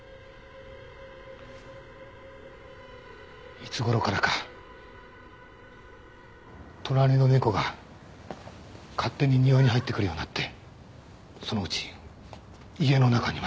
いつ頃からか隣の猫が勝手に庭に入ってくるようになってそのうち家の中にまで。